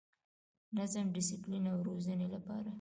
د نظم، ډسپلین او روزنې لپاره